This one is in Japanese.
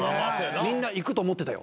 「みんないくと思ってたよ」